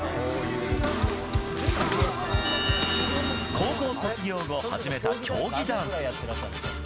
高校卒業後始めた競技ダンス。